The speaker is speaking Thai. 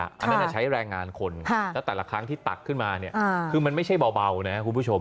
อันนั้นใช้แรงงานคนแล้วแต่ละครั้งที่ตักขึ้นมาเนี่ยคือมันไม่ใช่เบานะครับคุณผู้ชม